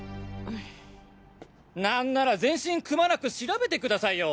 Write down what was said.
何なら全身くまなく調べてくださいよ。